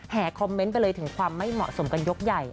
คอมเมนต์ไปเลยถึงความไม่เหมาะสมกันยกใหญ่